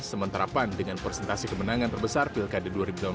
sementara pan dengan presentasi kemenangan terbesar pilkada dua ribu delapan belas